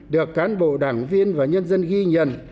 được cán bộ đảng viên và nhân dân ghi nhận